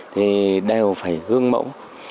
thì đều phải hương mẫu